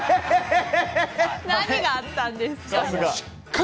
何があったんですか。